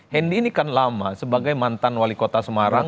hendy ini kan lama sebagai mantan wali kota semarang